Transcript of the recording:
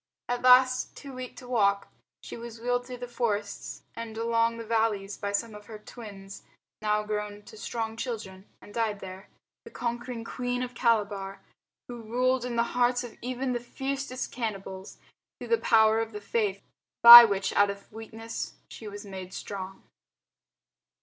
At last, too weak to walk, she was wheeled through the forests and along the valleys by some of her "twins" now grown to strong children, and died there the conquering Queen of Calabar, who ruled in the hearts of even the fiercest cannibals through the power of the Faith, by which out of weakness she was made strong.